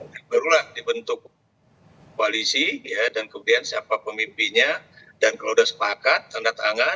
dan berulang dibentuk koalisi ya dan kemudian siapa pemimpinnya dan kalau sudah sepakat tanda tangan